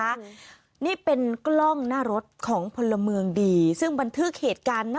นี่เป็นกล้องหน้ารถของพลเมืองดีซึ่งบันทึกเหตุการณ์